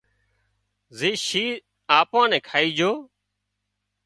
زي شينهن آپان نين کائي جھو